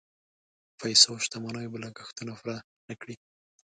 پیسو او شتمنیو به لګښتونه پوره نه کړي.